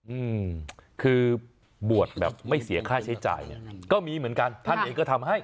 อืมคือบวชแบบไม่เสียค่าใช้จ่ายเนี้ยก็มีเหมือนกันท่านเองก็ทำให้